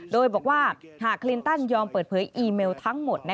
โดยบอกว่าหากคลินตันยอมเปิดเผยอีเมลทั้งหมด